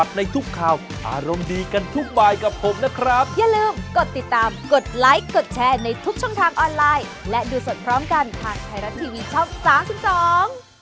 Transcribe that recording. ส่วนพร้อมกันทางไทยรัฐทีวีช่อง๓๒